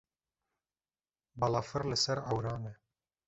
Balafir li ser ewran e.